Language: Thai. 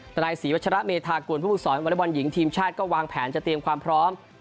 ธนาฬิสีวัชระเมธากลผู้ปรุงสอบแม่วัลยบอลหญิงทีมชาติก็วางแผนจะเตรียมความพร้อม